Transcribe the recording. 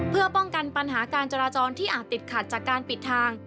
เพื่อป้องกันปัญหาการจราจรที่อาจติดขัดจากการปิดทาง